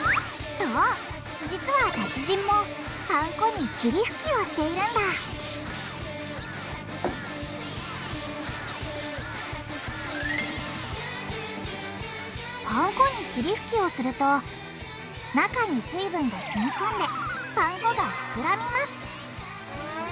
そう実は達人もパン粉に霧吹きをしているんだパン粉に霧吹きをすると中に水分がしみこんでパン粉がふくらみます